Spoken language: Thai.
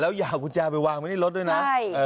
แล้วยักกุญแจไปวางบนรถด้วยนะ